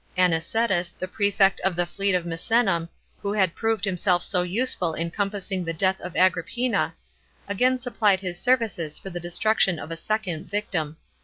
Auicetus, the prefect of the fleet at Misenum, who had proved himself so useful in compassing the death of Agrippina, again supplied his services f»r the destruction of a second victim.